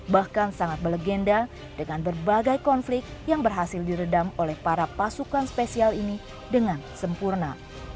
bahkan sangat melegenda dengan berbagai konflik yang berhasil diredam oleh para pasukan spesial ini dengan sempurna